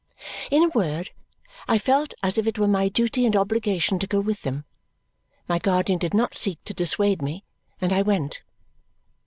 In a word, I felt as if it were my duty and obligation to go with them. My guardian did not seek to dissuade me, and I went.